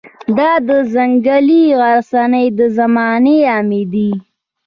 دا د ځنګلي غرڅنۍ د زمانې غمی دی.